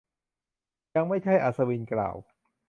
ยังไม่ใช่ อัศวินกล่าว